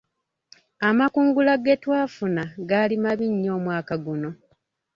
Amakungula ge twafuna gaali mabi nnyo omwaka guno.